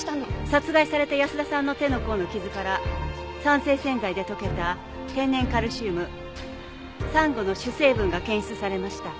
殺害された保田さんの手の甲の傷から酸性洗剤で溶けた天然カルシウム珊瑚の主成分が検出されました。